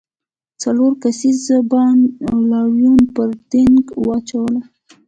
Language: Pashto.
څلور کسیز بانډ لاریون پر دینګ واچوله.